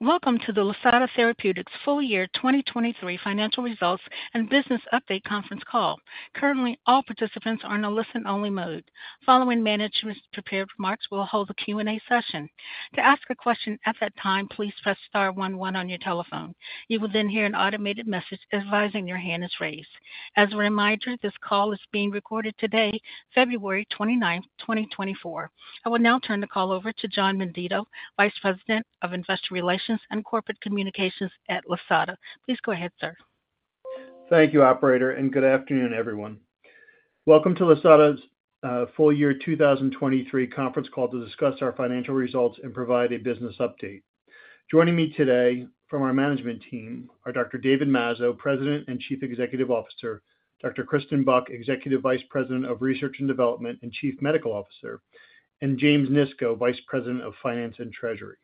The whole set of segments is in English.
Welcome to the Lisata Therapeutics Full Year 2023 Financial Results and Business Update Conference Call. Currently, all participants are in a listen-only mode. Following management's prepared remarks, we'll hold a Q&A session. To ask a question at that time, please press star one one on your telephone. You will then hear an automated message advising your hand is raised. As a reminder, this call is being recorded today, February 29, 2024. I will now turn the call over to John D. Menditto, Vice President of Investor Relations and Corporate Communications at Lisata. Please go ahead, sir. Thank you, operator, and good afternoon, everyone. Welcome to Lisata's full year 2023 conference call to discuss our financial results and provide a business update. Joining me today from our management team are Dr. David Mazzo, President and Chief Executive Officer; Dr. Kristen Buck, Executive Vice President of Research and Development and Chief Medical Officer; and James Nisco, Vice President of Finance and Treasury.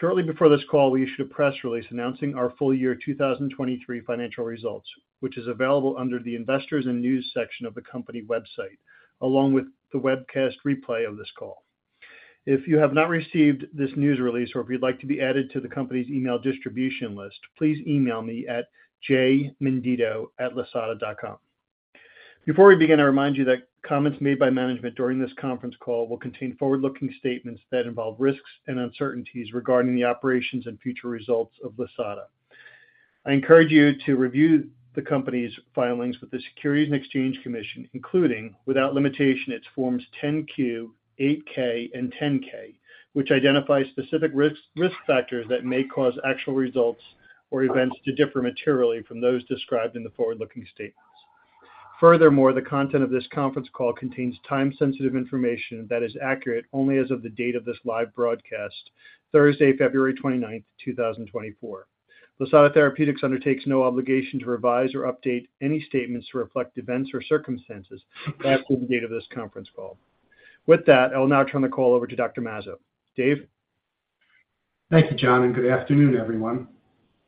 Shortly before this call, we issued a press release announcing our full year 2023 financial results, which is available under the Investors and News section of the company website, along with the webcast replay of this call. If you have not received this news release or if you'd like to be added to the company's email distribution list, please email me at jmenditto@lisata.com. Before we begin, I remind you that comments made by management during this conference call will contain forward-looking statements that involve risks and uncertainties regarding the operations and future results of Lisata. I encourage you to review the company's filings with the Securities and Exchange Commission, including, without limitation, its Forms 10-Q, 8-K, and 10-K, which identifies specific risks, risk factors that may cause actual results or events to differ materially from those described in the forward-looking statements. Furthermore, the content of this conference call contains time-sensitive information that is accurate only as of the date of this live broadcast, Thursday, February 29, 2024. Lisata Therapeutics undertakes no obligation to revise or update any statements to reflect events or circumstances after the date of this conference call. With that, I will now turn the call over to Dr. Mazzo. Dave? Thank you, John, and good afternoon, everyone.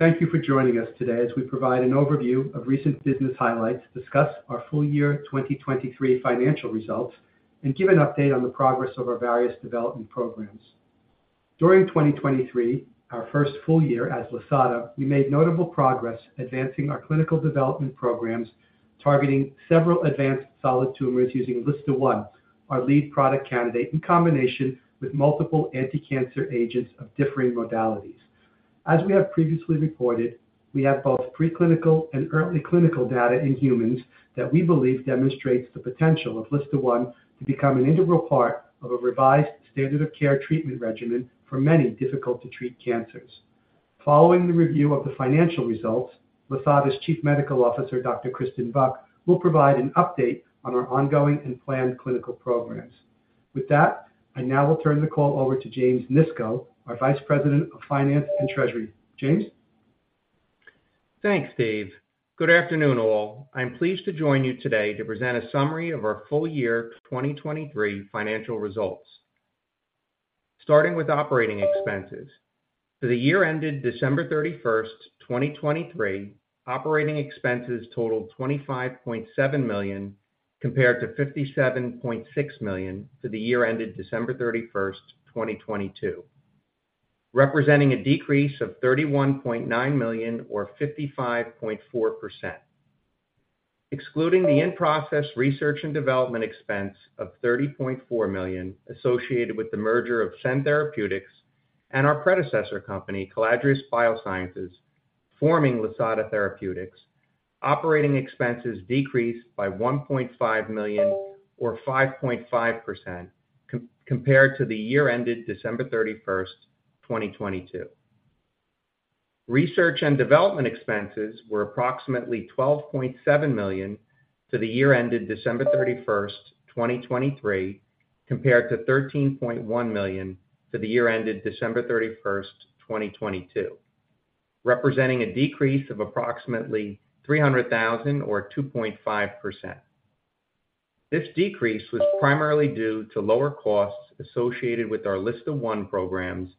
Thank you for joining us today as we provide an overview of recent business highlights, discuss our full year 2023 financial results, and give an update on the progress of our various development programs. During 2023, our first full year as Lisata, we made notable progress advancing our clinical development programs, targeting several advanced solid tumors using LSTA1, our lead product candidate, in combination with multiple anticancer agents of differing modalities. As we have previously reported, we have both preclinical and early clinical data in humans that we believe demonstrates the potential of LSTA1 to become an integral part of a revised standard of care treatment regimen for many difficult-to-treat cancers. Following the review of the financial results, Lisata's Chief Medical Officer, Dr. Kristen Buck, will provide an update on our ongoing and planned clinical programs. With that, I now will turn the call over to James Nisco, our Vice President of Finance and Treasury. James? Thanks, Dave. Good afternoon, all. I'm pleased to join you today to present a summary of our full year 2023 financial results. Starting with operating expenses, for the year ended December 31, 2023, operating expenses totaled $25.7 million, compared to $57.6 million for the year ended December 31, 2022, representing a decrease of $31.9 million or 55.4%. Excluding the in-process research and development expense of $30.4 million associated with the merger of Cend Therapeutics and our predecessor company, Caladrius Biosciences, forming Lisata Therapeutics, operating expenses decreased by $1.5 million, or 5.5%, compared to the year ended December 31, 2022. Research and development expenses were approximately $12.7 million for the year ended December 31, 2023, compared to $13.1 million for the year ended December 31, 2022, representing a decrease of approximately $300,000 or 2.5%. This decrease was primarily due to lower costs associated with our LSTA1 programs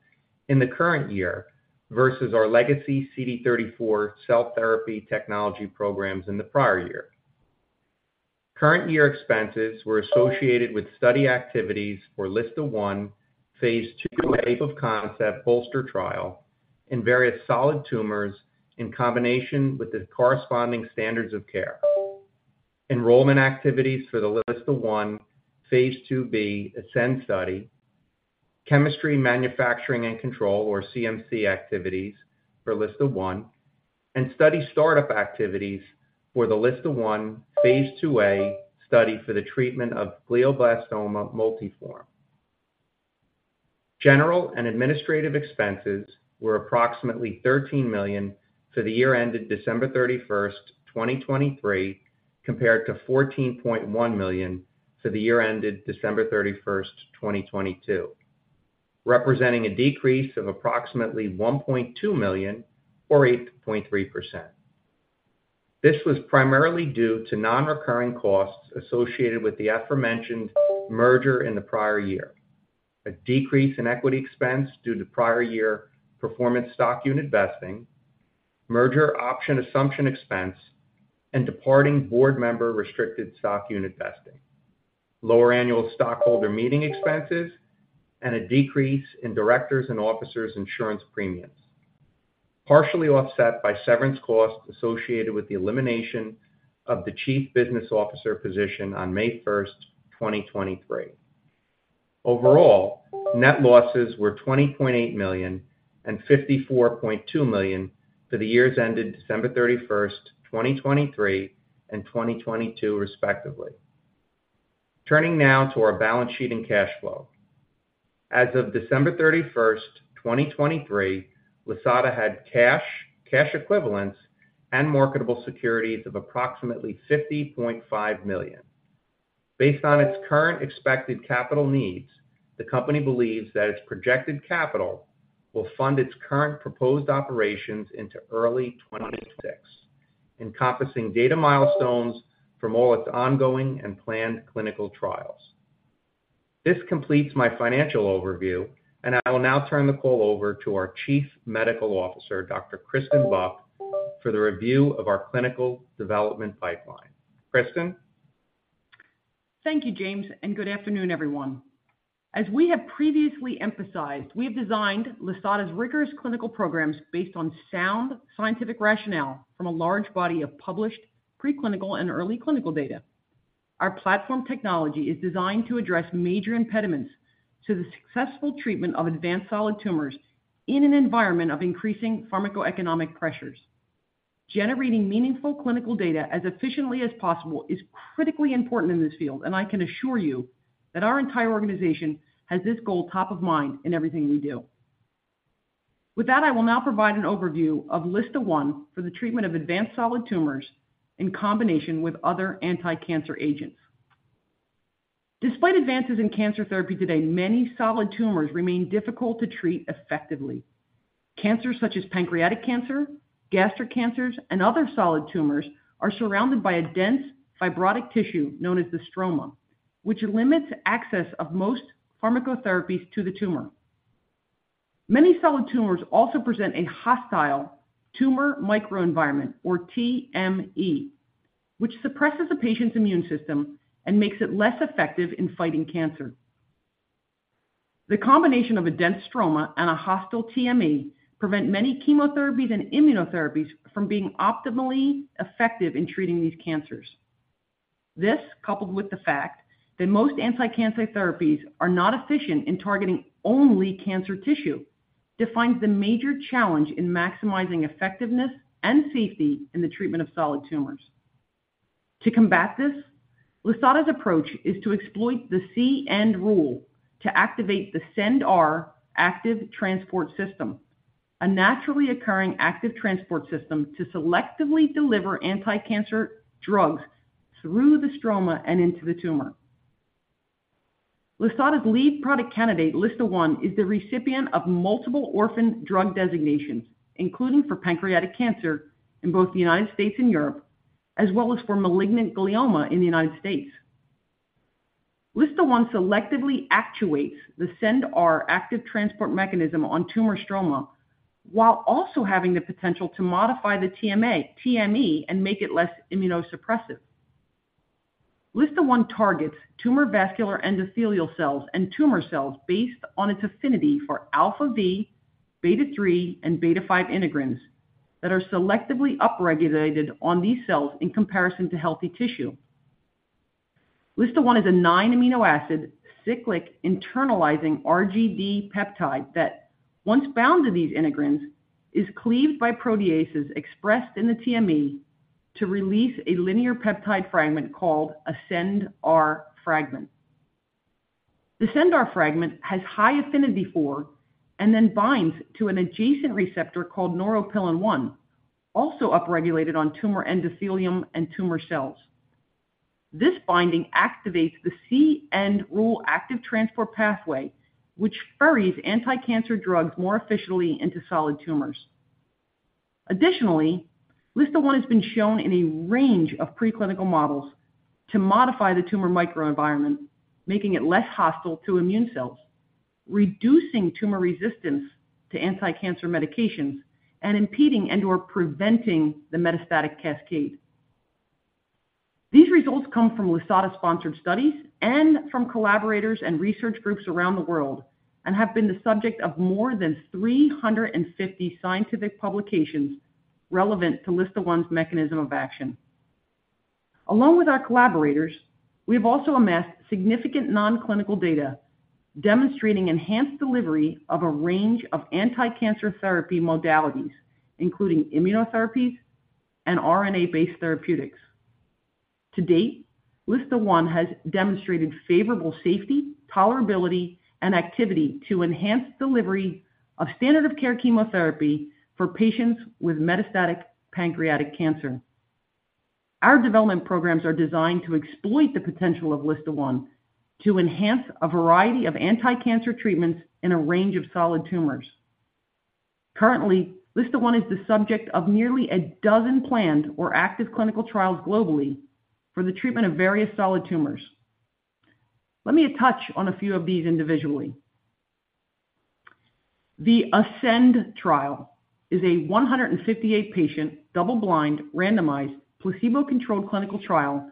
in the current year versus our legacy CD34 cell therapy technology programs in the prior year. Current year expenses were associated with study activities for LSTA1 Phase 2a proof-of-concept BOLSTER trial in various solid tumors in combination with the corresponding standards of care. Enrollment activities for the LSTA1 Phase 2b ASCEND study, chemistry, manufacturing, and control, or CMC activities for LSTA1, and study startup activities for the LSTA1 Phase 2a study for the treatment of glioblastoma multiforme. General and administrative expenses were approximately $13 million for the year ended December 31, 2023, compared to $14.1 million for the year ended December 31, 2022, representing a decrease of approximately $1.2 million or 8.3%. This was primarily due to non-recurring costs associated with the aforementioned merger in the prior year, a decrease in equity expense due to prior year performance stock unit vesting, merger option assumption expense, and departing board member restricted stock unit vesting.... lower annual stockholder meeting expenses, and a decrease in directors' and officers' insurance premiums, partially offset by severance costs associated with the elimination of the chief business officer position on May 1, 2023. Overall, net losses were $20.8 million and $54.2 million for the years ended December 31, 2023 and 2022, respectively. Turning now to our balance sheet and cash flow. As of December 31, 2023, Lisata had cash, cash equivalents, and marketable securities of approximately $50.5 million. Based on its current expected capital needs, the company believes that its projected capital will fund its current proposed operations into early 2026, encompassing data milestones from all its ongoing and planned clinical trials. This completes my financial overview, and I will now turn the call over to our Chief Medical Officer, Dr. Kristen Buck, for the review of our clinical development pipeline. Kristen? Thank you, James, and good afternoon, everyone. As we have previously emphasized, we've designed Lisata's rigorous clinical programs based on sound scientific rationale from a large body of published preclinical and early clinical data. Our platform technology is designed to address major impediments to the successful treatment of advanced solid tumors in an environment of increasing pharmacoeconomic pressures. Generating meaningful clinical data as efficiently as possible is critically important in this field, and I can assure you that our entire organization has this goal top of mind in everything we do. With that, I will now provide an overview of LSTA1 for the treatment of advanced solid tumors in combination with other anticancer agents. Despite advances in cancer therapy today, many solid tumors remain difficult to treat effectively. Cancers such as pancreatic cancer, gastric cancers, and other solid tumors are surrounded by a dense, fibrotic tissue known as the stroma, which limits access of most pharmacotherapies to the tumor. Many solid tumors also present a hostile tumor microenvironment, or TME, which suppresses the patient's immune system and makes it less effective in fighting cancer. The combination of a dense stroma and a hostile TME prevent many chemotherapies and immunotherapies from being optimally effective in treating these cancers. This, coupled with the fact that most anticancer therapies are not efficient in targeting only cancer tissue, defines the major challenge in maximizing effectiveness and safety in the treatment of solid tumors. To combat this, Lisata's approach is to exploit the C-end rule to activate the CendR active transport system, a naturally occurring active transport system to selectively deliver anticancer drugs through the stroma and into the tumor. Lisata's lead product candidate, LSTA1, is the recipient of multiple orphan drug designations, including for pancreatic cancer in both the United States and Europe, as well as for malignant glioma in the United States. LSTA1 selectively actuates the CendR active transport mechanism on tumor stroma, while also having the potential to modify the TME and make it less immunosuppressive. LSTA1 targets tumor vascular endothelial cells and tumor cells based on its affinity for alpha V, beta three, and beta five integrins that are selectively upregulated on these cells in comparison to healthy tissue. LSTA1 is a nine-amino acid, cyclic, internalizing RGD peptide that, once bound to these integrins, is cleaved by proteases expressed in the TME to release a linear peptide fragment called a CendR fragment. The CendR fragment has high affinity for, and then binds to an adjacent receptor called Neuropilin-1, also upregulated on tumor endothelium and tumor cells. This binding activates the C-end rule active transport pathway, which ferries anticancer drugs more efficiently into solid tumors. Additionally, LSTA1 has been shown in a range of preclinical models to modify the tumor microenvironment, making it less hostile to immune cells, reducing tumor resistance to anticancer medications, and impeding and/or preventing the metastatic cascade. These results come from Lisata-sponsored studies and from collaborators and research groups around the world, and have been the subject of more than 350 scientific publications relevant to LSTA1's mechanism of action. Along with our collaborators, we have also amassed significant non-clinical data demonstrating enhanced delivery of a range of anticancer therapy modalities, including immunotherapies and RNA-based therapeutics. To date, LSTA1 has demonstrated favorable safety, tolerability, and activity to enhance delivery of standard of care chemotherapy for patients with metastatic pancreatic cancer. Our development programs are designed to exploit the potential of LSTA1 to enhance a variety of anticancer treatments in a range of solid tumors. Currently, LSTA1 is the subject of nearly a dozen planned or active clinical trials globally for the treatment of various solid tumors. Let me touch on a few of these individually... The ASCEND trial is a 158-patient, double-blind, randomized, placebo-controlled clinical trial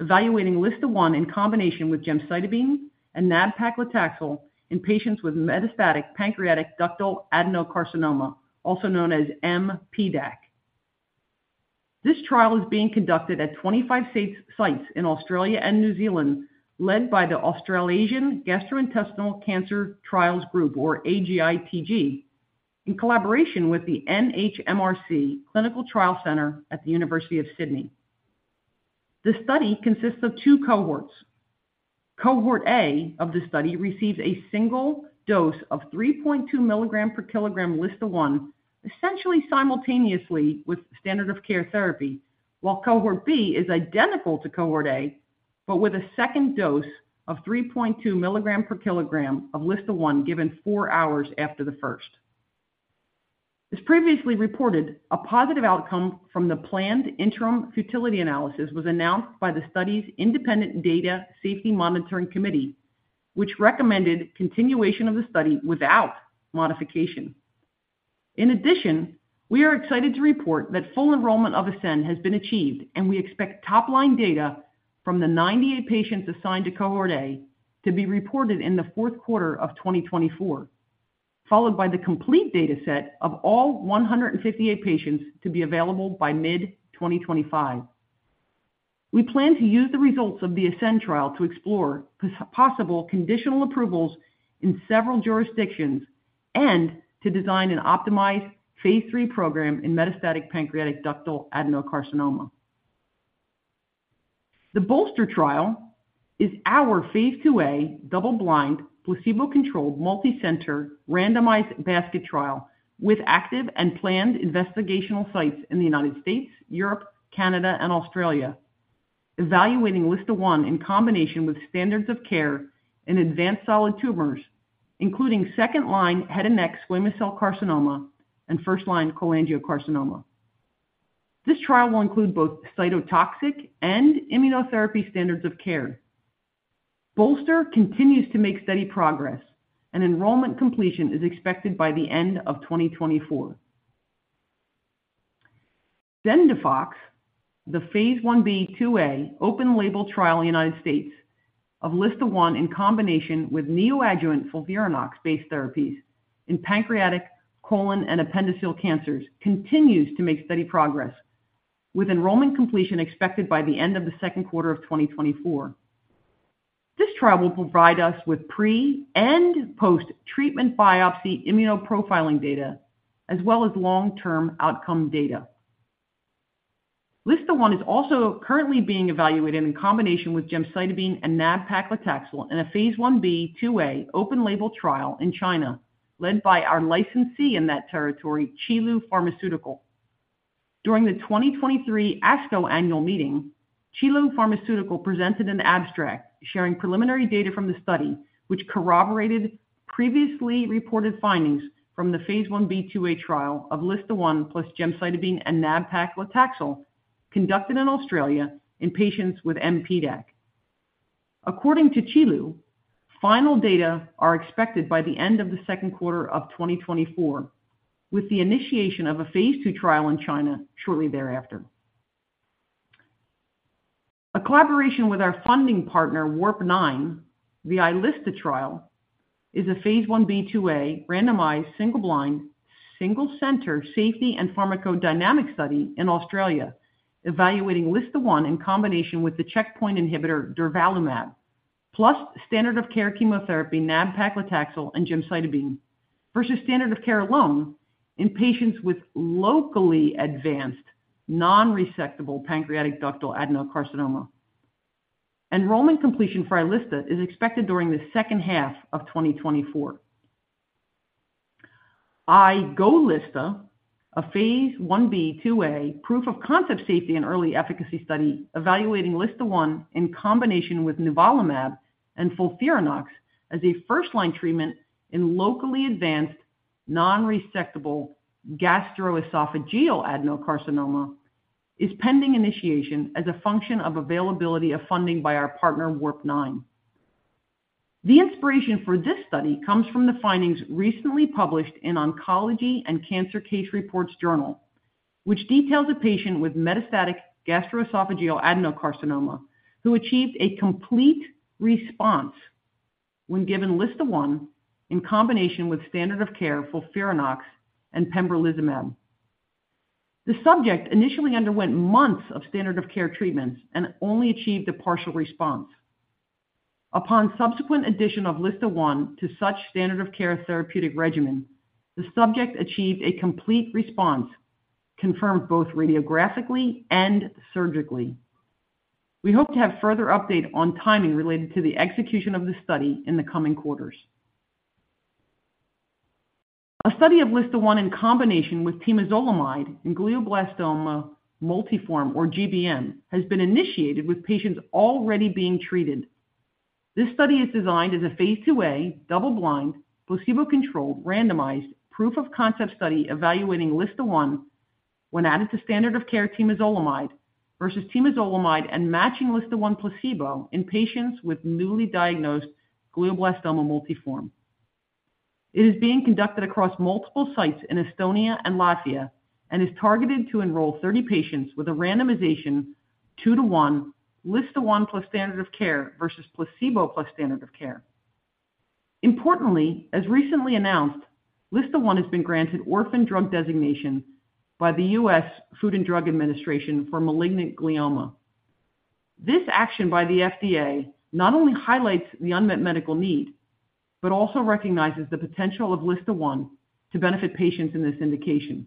evaluating LSTA1 in combination with gemcitabine and nab-paclitaxel in patients with metastatic pancreatic ductal adenocarcinoma, also known as mPDAC. This trial is being conducted at 25 sites in Australia and New Zealand, led by the Australasian Gastrointestinal Trials Group, or AGITG, in collaboration with the NHMRC Clinical Trials Center at the University of Sydney. The study consists of two cohorts. Cohort A of the study receives a single dose of 3.2 mg/kg LSTA1, essentially simultaneously with standard of care therapy, while cohort B is identical to cohort A, but with a second dose of 3.2 mg/kg LSTA1 given 4 hours after the first. As previously reported, a positive outcome from the planned interim futility analysis was announced by the study's independent Data Safety Monitoring Committee, which recommended continuation of the study without modification. In addition, we are excited to report that full enrollment of ASCEND has been achieved, and we expect top-line data from the 98 patients assigned to cohort A to be reported in the fourth quarter of 2024, followed by the complete data set of all 158 patients to be available by mid-2025. We plan to use the results of the ASCEND trial to explore possible conditional approvals in several jurisdictions and to design an optimized phase 3 program in metastatic pancreatic ductal adenocarcinoma. The BOLSTER trial is our phase 2a, double-blind, placebo-controlled, multicenter, randomized basket trial with active and planned investigational sites in the United States, Europe, Canada, and Australia, evaluating LSTA1 in combination with standards of care in advanced solid tumors, including second-line head and neck squamous cell carcinoma and first-line cholangiocarcinoma. This trial will include both cytotoxic and immunotherapy standards of care. BOLSTER continues to make steady progress, and enrollment completion is expected by the end of 2024. CENDIFOX, the Phase 1b/2a, open-label trial in the United States of LSTA1 in combination with neoadjuvant FOLFIRINOX-based therapies in pancreatic, colon, and appendiceal cancers, continues to make steady progress, with enrollment completion expected by the end of the second quarter of 2024. This trial will provide us with pre- and post-treatment biopsy immunoprofiling data, as well as long-term outcome data. LSTA1 is also currently being evaluated in combination with gemcitabine and nab-paclitaxel in a Phase 1b/2a, open-label trial in China, led by our licensee in that territory, Qilu Pharmaceutical. During the 2023 ASCO annual meeting, Qilu Pharmaceutical presented an abstract sharing preliminary data from the study, which corroborated previously reported findings from the Phase 1b/2a trial of LSTA1 plus gemcitabine and nab-paclitaxel, conducted in Australia in patients with mPDAC. According to Qilu, final data are expected by the end of the second quarter of 2024, with the initiation of a Phase 2 trial in China shortly thereafter. A collaboration with our funding partner, Warp Nine, the iLSTA trial, is a Phase 1b/2a, randomized, single-blind, single-center, safety and pharmacodynamic study in Australia, evaluating LSTA1 in combination with the checkpoint inhibitor durvalumab, plus standard of care chemotherapy nab-paclitaxel and gemcitabine versus standard of care alone in patients with locally advanced non-resectable pancreatic ductal adenocarcinoma. Enrollment completion for iLSTA is expected during the second half of 2024. iGoLSTA, a phase 1b/2a proof of concept safety and early efficacy study, evaluating LSTA1 in combination with nivolumab and FOLFIRINOX as a first-line treatment in locally advanced non-resectable gastroesophageal adenocarcinoma, is pending initiation as a function of availability of funding by our partner, Warp Nine. The inspiration for this study comes from the findings recently published in Oncology and Cancer Case Reports Journal, which details a patient with metastatic gastroesophageal adenocarcinoma, who achieved a complete response when given LSTA1 in combination with standard of care FOLFIRINOX and pembrolizumab. The subject initially underwent months of standard of care treatments and only achieved a partial response. Upon subsequent addition of LSTA1 to such standard of care therapeutic regimen, the subject achieved a complete response, confirmed both radiographically and surgically. We hope to have further update on timing related to the execution of the study in the coming quarters. A study of LSTA1 in combination with temozolomide in glioblastoma multiforme, or GBM, has been initiated, with patients already being treated. This study is designed as a Phase 2a, double-blind, placebo-controlled, randomized, proof of concept study evaluating LSTA1 when added to standard of care temozolomide versus temozolomide and matching LSTA1 placebo in patients with newly diagnosed glioblastoma multiforme. It is being conducted across multiple sites in Estonia and Latvia and is targeted to enroll 30 patients with a randomization 2 to 1, LSTA1 plus standard of care versus placebo plus standard of care. Importantly, as recently announced, LSTA1 has been granted orphan drug designation by the U.S. Food and Drug Administration for malignant glioma. This action by the FDA not only highlights the unmet medical need, but also recognizes the potential of LSTA1 to benefit patients in this indication.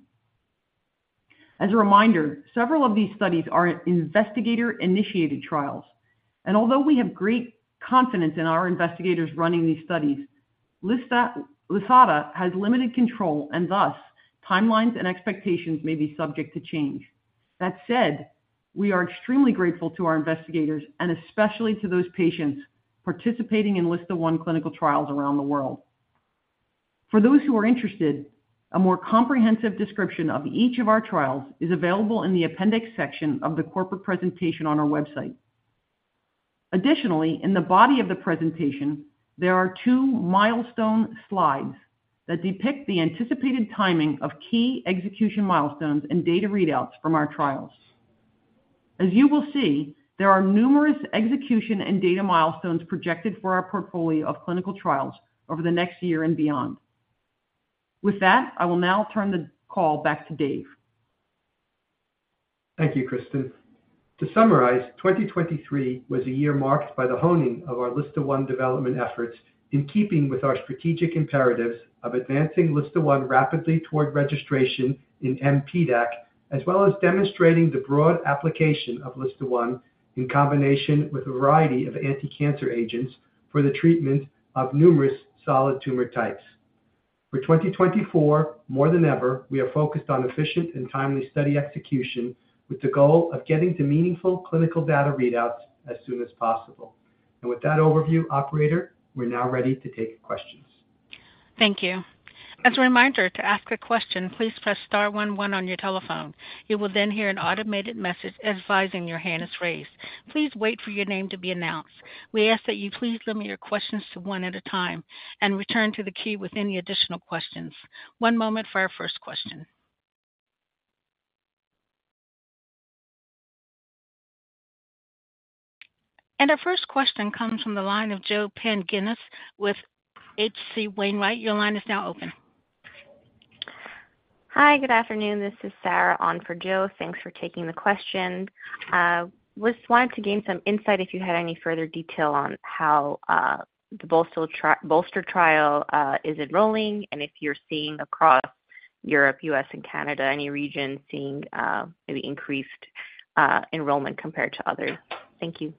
As a reminder, several of these studies are investigator-initiated trials, and although we have great confidence in our investigators running these studies, Lisata has limited control and thus, timelines and expectations may be subject to change. That said, we are extremely grateful to our investigators and especially to those patients participating in LSTA1 clinical trials around the world. For those who are interested, a more comprehensive description of each of our trials is available in the appendix section of the corporate presentation on our website. Additionally, in the body of the presentation, there are two milestone slides that depict the anticipated timing of key execution milestones and data readouts from our trials. As you will see, there are numerous execution and data milestones projected for our portfolio of clinical trials over the next year and beyond. With that, I will now turn the call back to Dave. Thank you, Kristen. To summarize, 2023 was a year marked by the honing of our LSTA1 development efforts, in keeping with our strategic imperatives of advancing LSTA1 rapidly toward registration in mPDAC, as well as demonstrating the broad application of LSTA1 in combination with a variety of anticancer agents for the treatment of numerous solid tumor types. For 2024, more than ever, we are focused on efficient and timely study execution, with the goal of getting to meaningful clinical data readouts as soon as possible. And with that overview, operator, we're now ready to take questions. Thank you. As a reminder to ask a question, please press star one one on your telephone. You will then hear an automated message advising your hand is raised. Please wait for your name to be announced. We ask that you please limit your questions to one at a time and return to the queue with any additional questions. One moment for our first question. Our first question comes from the line of Joe Pantginis with H.C. Wainwright. Your line is now open. Hi, good afternoon. This is Sarah on for Joe. Thanks for taking the question. Just wanted to gain some insight if you had any further detail on how the BOLSTER trial is enrolling, and if you're seeing across Europe, U.S. and Canada, any region seeing maybe increased enrollment compared to others? Thank you.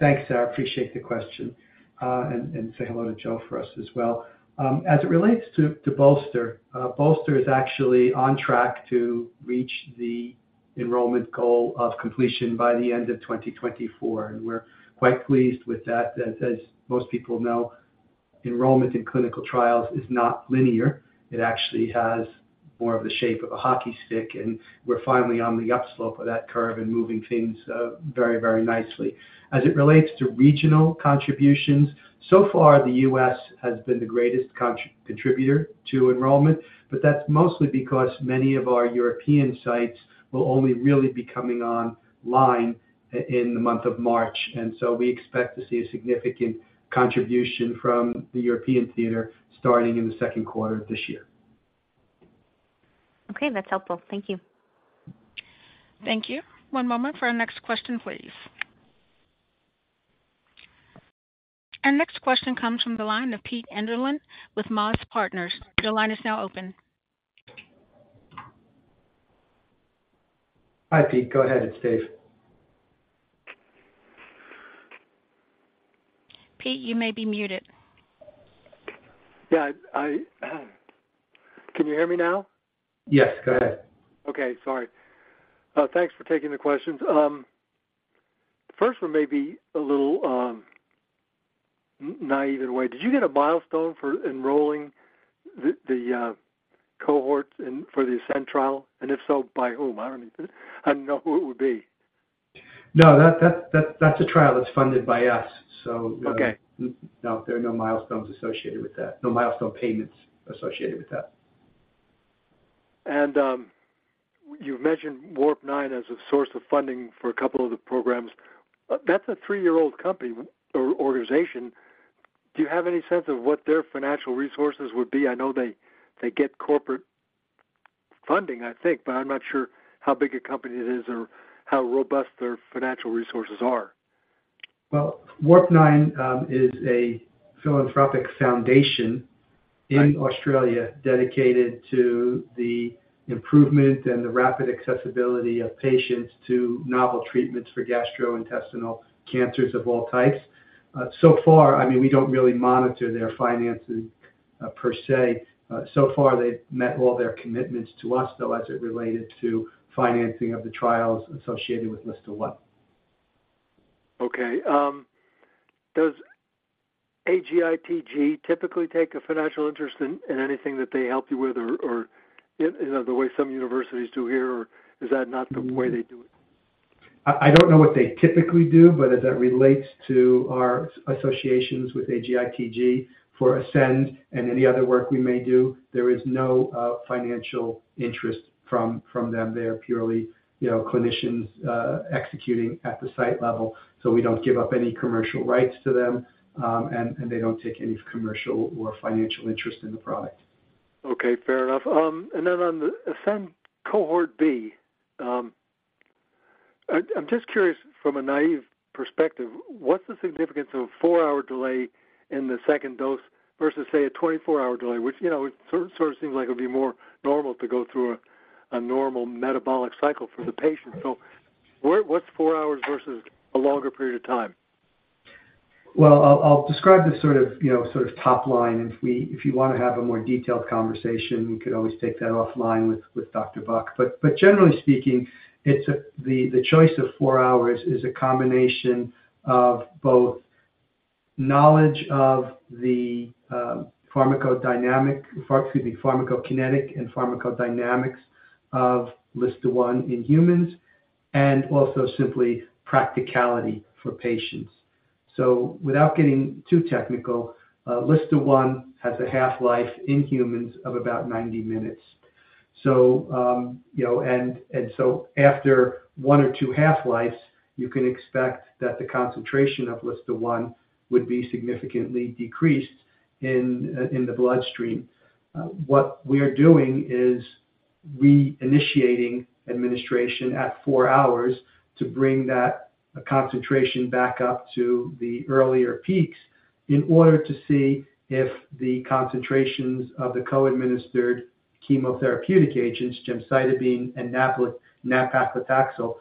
Thanks, Sarah. I appreciate the question, and say hello to Joe for us as well. As it relates to BOLSTER, BOLSTER is actually on track to reach the enrollment goal of completion by the end of 2024, and we're quite pleased with that. As most people know, enrollment in clinical trials is not linear. It actually has more of the shape of a hockey stick, and we're finally on the up slope of that curve and moving things very, very nicely. As it relates to regional contributions, so far, the U.S. has been the greatest contributor to enrollment, but that's mostly because many of our European sites will only really be coming online in the month of March, and so we expect to see a significant contribution from the European theater starting in the second quarter of this year. Okay, that's helpful. Thank you. Thank you. One moment for our next question, please. Our next question comes from the line of Pete Enderlin with MAZ Partners. Your line is now open. Hi, Pete. Go ahead, it's Dave. Pete, you may be muted. Yeah, can you hear me now? Yes, go ahead. Okay, sorry. Thanks for taking the questions. First one may be a little naive in a way. Did you get a milestone for enrolling the cohorts in, for the ASCEND trial, and if so, by whom? I don't even—I don't know who it would be. No, that's a trial that's funded by us, so- Okay. No, there are no milestones associated with that. No milestone payments associated with that. You mentioned Warp Nine as a source of funding for a couple of the programs. That's a 3-year-old company or organization. Do you have any sense of what their financial resources would be? I know they, they get corporate funding, I think, but I'm not sure how big a company it is or how robust their financial resources are. Well, Warp Nine is a philanthropic foundation- Right ... in Australia dedicated to the improvement and the rapid accessibility of patients to novel treatments for gastrointestinal cancers of all types. So far, I mean, we don't really monitor their finances, per se. So far, they've met all their commitments to us, though, as it related to financing of the trials associated with LSTA1.... Okay. Does AGITG typically take a financial interest in anything that they help you with or, you know, the way some universities do here, or is that not the way they do it? I don't know what they typically do, but as that relates to our associations with AGITG for ASCEND and any other work we may do, there is no financial interest from them. They are purely, you know, clinicians executing at the site level, so we don't give up any commercial rights to them, and they don't take any commercial or financial interest in the product. Okay, fair enough. And then on the ASCEND cohort B, I'm just curious from a naive perspective, what's the significance of a 4-hour delay in the second dose versus, say, a 24-hour delay, which, you know, it sort of seems like it would be more normal to go through a normal metabolic cycle for the patient. So what's 4 hours versus a longer period of time? Well, I'll describe the sort of, you know, sort of top line, and if you wanna have a more detailed conversation, we could always take that offline with Dr. Buck. But generally speaking, it's the choice of four hours is a combination of both knowledge of the pharmacodynamic, excuse me, pharmacokinetic and pharmacodynamics of LSTA1 in humans, and also simply practicality for patients. So without getting too technical, LSTA1 has a half-life in humans of about 90 minutes. So, you know, and so after one or two half-lives, you can expect that the concentration of LSTA1 would be significantly decreased in the bloodstream. What we are doing is reinitiating administration at four hours to bring that concentration back up to the earlier peaks in order to see if the concentrations of the co-administered chemotherapeutic agents, gemcitabine and nab-paclitaxel,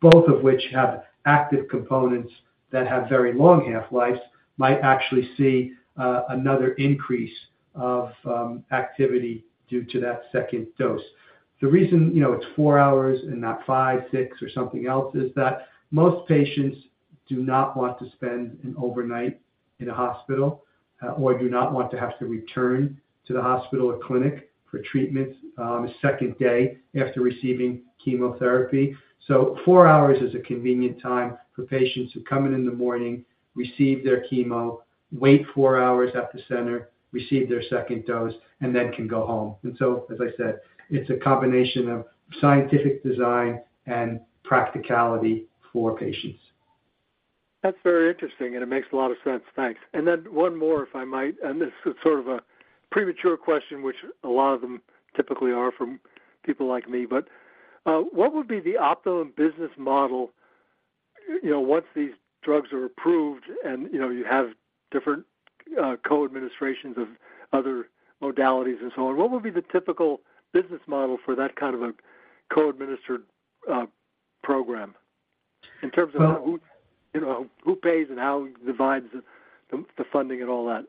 both of which have active components that have very long half-lives, might actually see another increase of activity due to that second dose. The reason, you know, it's four hours and not five, six, or something else, is that most patients do not want to spend an overnight in a hospital or do not want to have to return to the hospital or clinic for treatment a second day after receiving chemotherapy. So four hours is a convenient time for patients to come in in the morning, receive their chemo, wait four hours at the center, receive their second dose, and then can go home. As I said, it's a combination of scientific design and practicality for patients. That's very interesting, and it makes a lot of sense. Thanks. And then one more, if I might, and this is sort of a premature question, which a lot of them typically are from people like me, but what would be the optimum business model, you know, once these drugs are approved and, you know, you have different co-administrations of other modalities and so on, what would be the typical business model for that kind of a co-administered program in terms of who, you know, who pays and how it divides the, the funding and all that?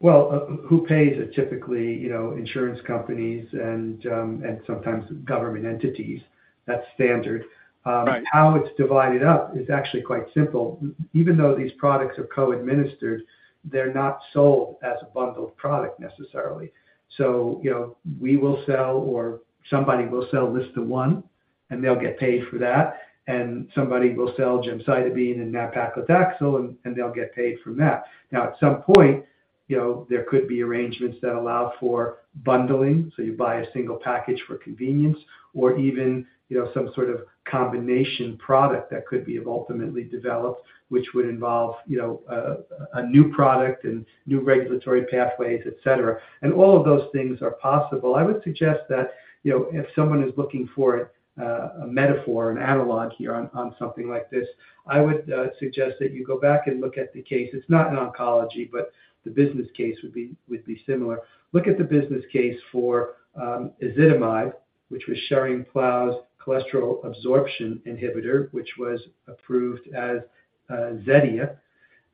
Well, who pays is typically, you know, insurance companies and, and sometimes government entities. That's standard. Right. How it's divided up is actually quite simple. Even though these products are co-administered, they're not sold as a bundled product necessarily. So, you know, we will sell, or somebody will sell LSTA1, and they'll get paid for that, and somebody will sell gemcitabine and nab-paclitaxel, and they'll get paid from that. Now, at some point, you know, there could be arrangements that allow for bundling, so you buy a single package for convenience or even, you know, some sort of combination product that could be ultimately developed, which would involve, you know, a new product and new regulatory pathways, et cetera. And all of those things are possible. I would suggest that, you know, if someone is looking for a metaphor, an analog here on, on something like this, I would suggest that you go back and look at the case. It's not in oncology, but the business case would be, would be similar. Look at the business case for ezetimibe, which was Schering-Plough's cholesterol absorption inhibitor, which was approved as Zetia,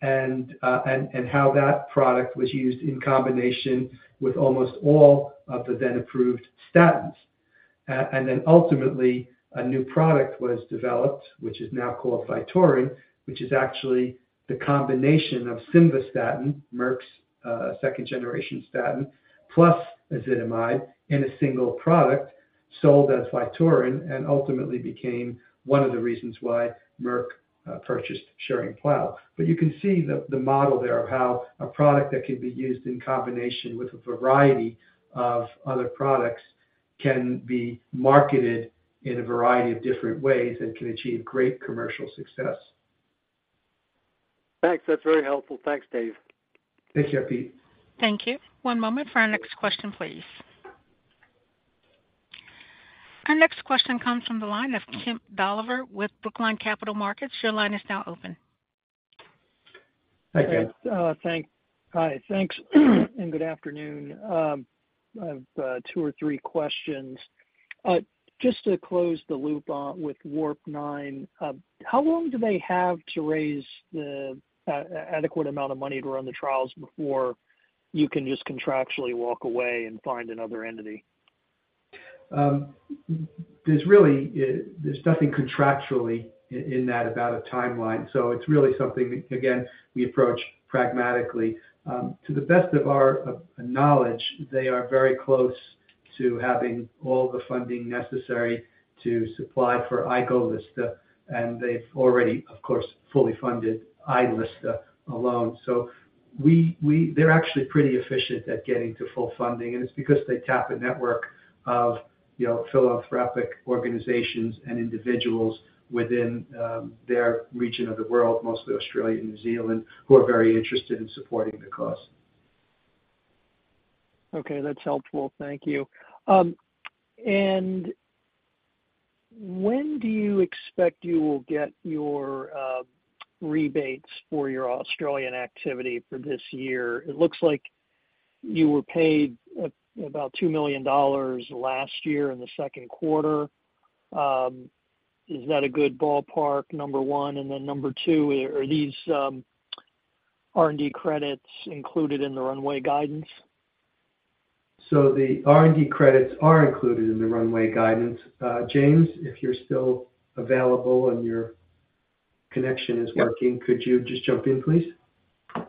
and, and, and how that product was used in combination with almost all of the then approved statins. And then ultimately, a new product was developed, which is now called Vytorin, which is actually the combination of simvastatin, Merck's second-generation statin, plus ezetimibe in a single product sold as Vytorin, and ultimately became one of the reasons why Merck purchased Schering-Plough. You can see the model there of how a product that can be used in combination with a variety of other products can be marketed in a variety of different ways and can achieve great commercial success. Thanks. That's very helpful. Thanks, Dave. Thank you, Pete. Thank you. One moment for our next question, please. Our next question comes from the line of Kemp Dolliver with Brookline Capital Markets. Your line is now open. Hi, Dave. Hi, thanks, and good afternoon. I've two or three questions. Just to close the loop on with Warp Nine, how long do they have to raise the adequate amount of money to run the trials before you can just contractually walk away and find another entity?... there's really, there's nothing contractually in that about a timeline, so it's really something that, again, we approach pragmatically. To the best of our knowledge, they are very close to having all the funding necessary to supply for iGoLSTA, and they've already, of course, fully funded iLSTA alone. They're actually pretty efficient at getting to full funding, and it's because they tap a network of, you know, philanthropic organizations and individuals within their region of the world, mostly Australia and New Zealand, who are very interested in supporting the cause. Okay, that's helpful. Thank you. And when do you expect you will get your rebates for your Australian activity for this year? It looks like you were paid about $2 million last year in the second quarter. Is that a good ballpark, number one? And then number two, are these R&D credits included in the runway guidance? The R&D credits are included in the runway guidance. James, if you're still available and your connection is working- Yep. Could you just jump in, please?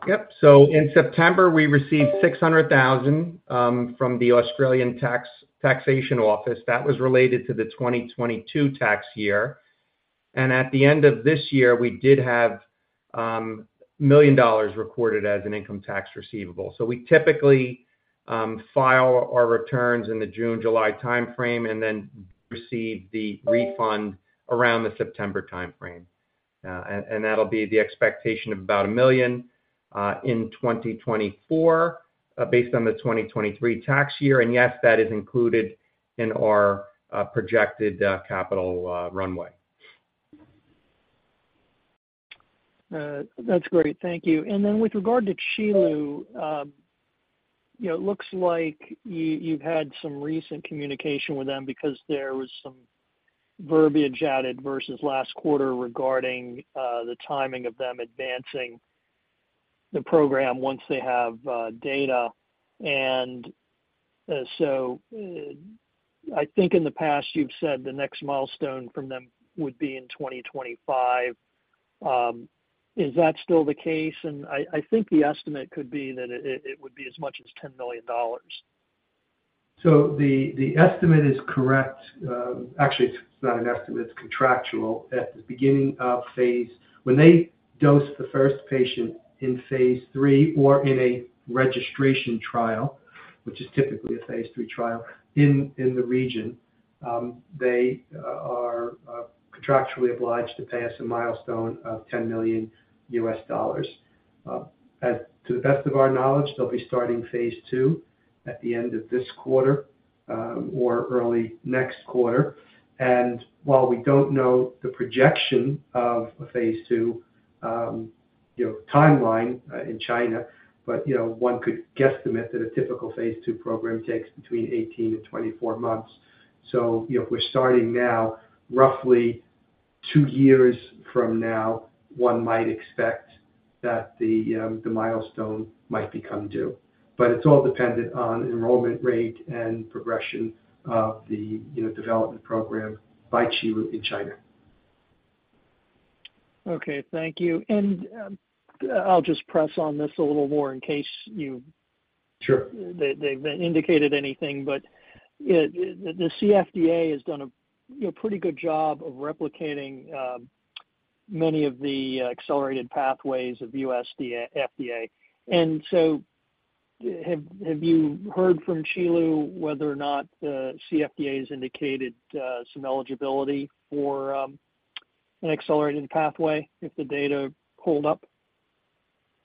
Yep. So in September, we received 600,000 from the Australian Taxation Office. That was related to the 2022 tax year. And at the end of this year, we did have a million dollars recorded as an income tax receivable. So we typically file our returns in the June, July timeframe, and then receive the refund around the September timeframe. And that'll be the expectation of about a million in 2024 based on the 2023 tax year. And yes, that is included in our projected capital runway. That's great. Thank you. Then with regard to Qilu, you know, it looks like you've had some recent communication with them because there was some verbiage added versus last quarter regarding the timing of them advancing the program once they have data. I think in the past you've said the next milestone from them would be in 2025. Is that still the case? I think the estimate could be that it would be as much as $10 million. So the estimate is correct. Actually, it's not an estimate, it's contractual. At the beginning of phase... When they dose the first patient in phase 3 or in a registration trial, which is typically a phase 3 trial in the region, they are contractually obliged to pay us a milestone of $10 million. To the best of our knowledge, they'll be starting phase 2 at the end of this quarter, or early next quarter. And while we don't know the projection of a phase 2, you know, timeline in China, but, you know, one could guesstimate that a typical phase 2 program takes between 18 and 24 months. So, you know, if we're starting now, roughly two years from now, one might expect that the milestone might become due. But it's all dependent on enrollment rate and progression of the, you know, development program by Qilu in China. Okay, thank you. And, I'll just press on this a little more in case you- Sure. they, they've indicated anything, but the CFDA has done a, you know, pretty good job of replicating many of the accelerated pathways of the U.S. FDA. And so have you heard from Qilu whether or not the CFDA has indicated some eligibility for an accelerated pathway if the data hold up?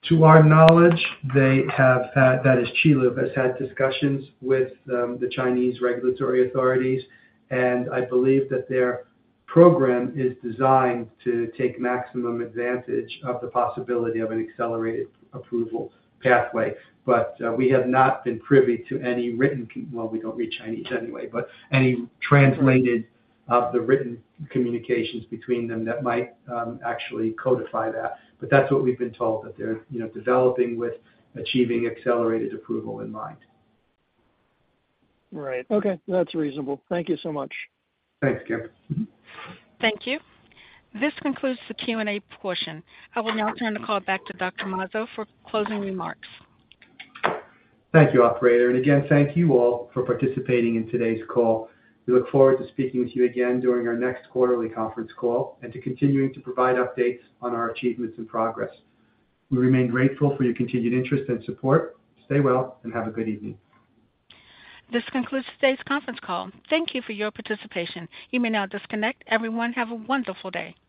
To our knowledge, they have had... That is, Qilu, has had discussions with, the Chinese regulatory authorities, and I believe that their program is designed to take maximum advantage of the possibility of an accelerated approval pathway. But, we have not been privy to any written—well, we don't read Chinese anyway, but any translation of the written communications between them that might, actually codify that. But that's what we've been told, that they're, you know, developing with achieving accelerated approval in mind. Right. Okay, that's reasonable. Thank you so much. Thanks, Gary. Thank you. This concludes the Q&A portion. I will now turn the call back to Dr. Mazzo for closing remarks. Thank you, operator, and again, thank you all for participating in today's call. We look forward to speaking with you again during our next quarterly conference call and to continuing to provide updates on our achievements and progress. We remain grateful for your continued interest and support. Stay well and have a good evening. This concludes today's conference call. Thank you for your participation. You may now disconnect. Everyone, have a wonderful day.